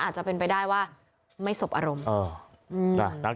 อาจจะเป็นไปได้ว่าไม่สบอารมณ์